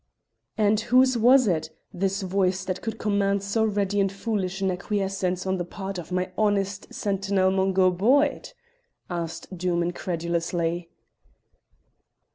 "And whose was it, this voice that could command so ready and foolish an acquiescence on the part of my honest sentinel Mungo Boyd?" asked Doom incredulously.